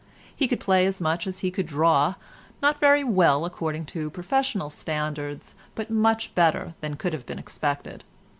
He could play as much as he could draw, not very well according to professional standards, but much better than could have been expected.